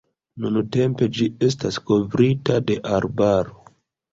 Nuntempe ĝi estas kovrita de arbaro.